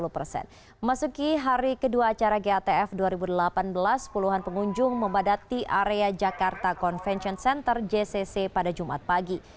memasuki hari kedua acara gatf dua ribu delapan belas puluhan pengunjung membadati area jakarta convention center jcc pada jumat pagi